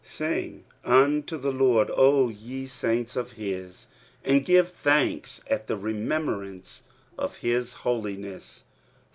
49 4 Sing unto the Lord, O ye saints of his, and give thanks at the remembrance of his holiness.